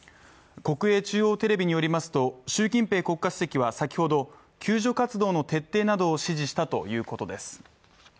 国営中央テレビによりますと習近平国家主席は先ほど救助活動の徹底などを指示したということです。